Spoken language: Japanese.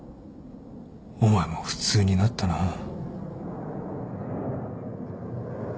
お前も普通になったな。